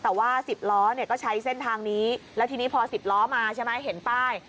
แต่ว่า๑๐ล้อเนี่ยก็ใช้เส้นทางนี้แล้วทีนี้พอ๑๐ล้อมาใช่ไหมเห็นป้าย